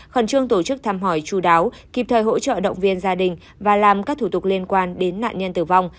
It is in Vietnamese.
khẩn trương tổ chức thăm hỏi chú đáo kịp thời hỗ trợ động viên gia đình và làm các thủ tục liên quan đến nạn nhân tử vong